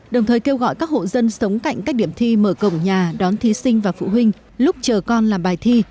đồng thời kêu gọi các hộ dân sống cạnh các điểm thi mở cổng nhà đón thí sinh và phụ huynh lúc chờ con làm bài thi